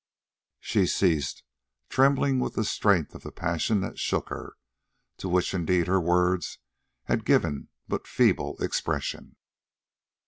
She ceased, trembling with the strength of the passions that shook her, to which indeed her words had given but feeble expression.